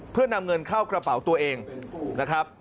เพื่อนำเงินเข้ากระเป๋าตัวเองนะครับ